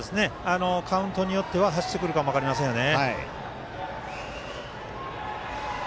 カウントによっては走ってくるかも分かりませんよね。